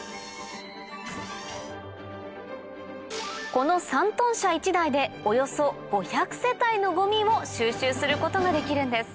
この３ｔ車１台でおよそ５００世帯のごみを収集することができるんです